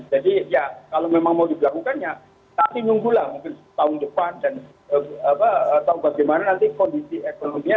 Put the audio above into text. jadi ya kalau memang mau dilakukan ya nanti nunggulah mungkin tahun depan dan tau bagaimana nanti kondisi ekonominya